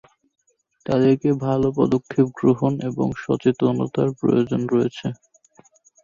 তাদেরকে ভাল পদক্ষেপ গ্রহণ এবং সচেতনতার প্রয়োজন রয়েছে।